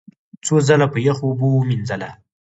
څو ځله په یخو اوبو ومینځله،